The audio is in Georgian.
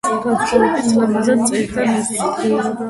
განსაკუთრებით ლამაზად წერდა ნუსხურს.